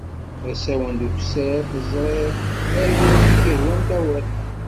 Asawen d ukessar teẓriḍ-t, abrid i k-ihwan tawiḍ-t.